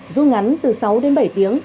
dung ngắn từ sáu đến bảy tiếng